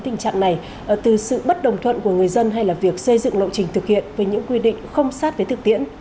tình trạng này từ sự bất đồng thuận của người dân hay là việc xây dựng lộ trình thực hiện với những quy định không sát với thực tiễn